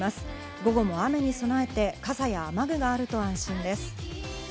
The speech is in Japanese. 午後も雨に備えて傘や雨具があると安心です。